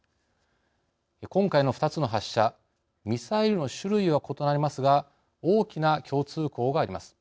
今回の２つの発射ミサイルの種類は異なりますが大きな共通項があります。